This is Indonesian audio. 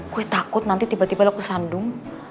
gue takut nanti tiba tiba lo ke sandung